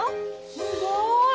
すごい。